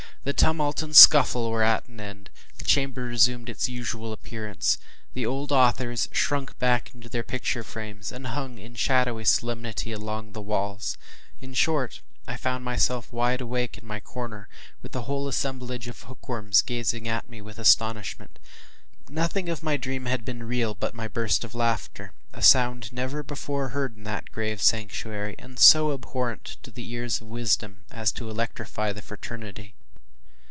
The tumult and the scuffle were at an end. The chamber resumed its usual appearance. The old authors shrunk back into their picture frames, and hung in shadowy solemnity along the walls. In short, I found myself wide awake in my corner, with the whole assemblage of hookworms gazing at me with astonishment. Nothing of the dream had been real but my burst of laughter, a sound never before heard in that grave sanctuary, and so abhorrent to the ears of wisdom, as to electrify the fraternity.